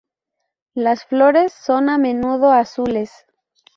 Las flores son a menudo azules.